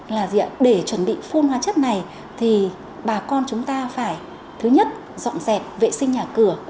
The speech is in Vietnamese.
là để chuẩn bị phun hóa chất này thì bà con chúng ta phải thứ nhất dọn dẹp vệ sinh nhà cửa